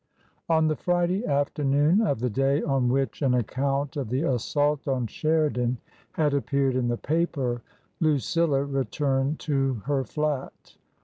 On the Friday afternoon of the day on which an account of the assault on Sheridan had appeared in the paper, Lucilla returned to her fiat.